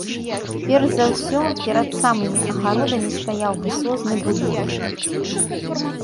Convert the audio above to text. Перш за ўсё, перад самымі агародамі стаяў высозны будынак.